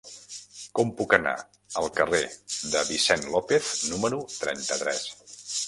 Com puc anar al carrer de Vicent López número trenta-tres?